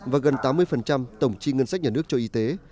và gần tám mươi tổng chi ngân sách nhà nước cho y tế